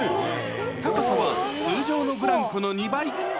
高さは通常のブランコの２倍。